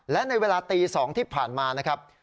และในเวลาตี๒ที่ผ่านมานะครับ